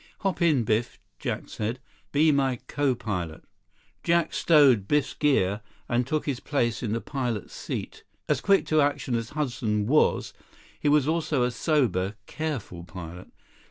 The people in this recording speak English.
"Hop in, Biff," Jack said. "Be my co pilot." Jack stowed Biff's gear, and took his place in the pilot's seat. As quick to action as Hudson was, he was also a sober, careful pilot.